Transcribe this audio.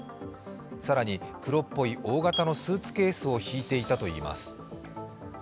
更に黒っぽい大型のスーツケースを引いていたといいます。